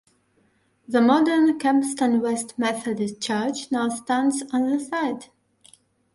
The modern Kempston West Methodist Church now stands on the site.